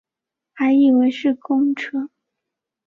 还以为是公车